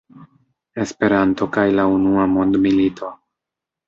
Esperanto kaj la unua mondmilito.